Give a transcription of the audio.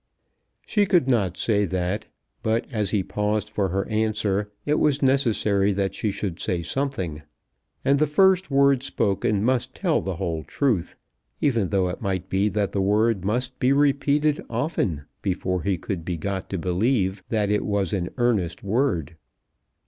She could not say that, but as he paused for her answer it was necessary that she should say something. And the first word spoken must tell the whole truth, even though it might be that the word must be repeated often before he could be got to believe that it was an earnest word.